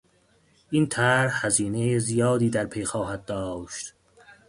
این طرح هزینهی زیادی در پی خواهد داشت.